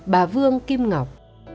bà vương kim ngọc